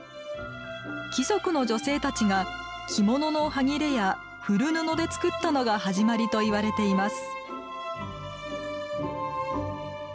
貴族の女性たちが着物の端切れや古布で作ったのが始まりといわれています。